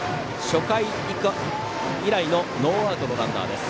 初回以来のノーアウトのランナーです。